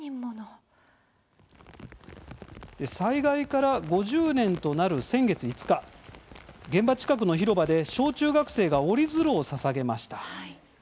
災害から５０年となる先月５日現場近くの広場で小中学生が折り鶴をささげました。